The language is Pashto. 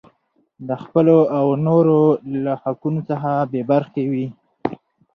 د خپلو او نورو له حقونو څخه بې خبره وي.